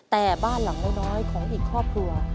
แต่บ้านหลังน้อยของอีกครอบครัว